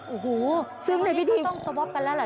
โอ้โหซึ่งในพิธีต้องสวอปกันแล้วเหรอ